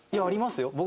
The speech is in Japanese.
ありますよ。